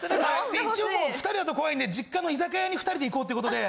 一応もう２人だと怖いんで実家の居酒屋に２人で行こうっていうことで。